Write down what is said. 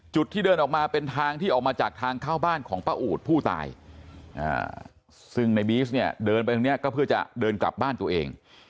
ที่เดินออกมาเป็นทางที่ออกมาจากทางเข้าบ้านของป้าอูดผู้ตายซึ่งในบีซเนี่ยเดินไปตรงนี้ก็เพื่อจะเดินกลับบ้านตัวเอง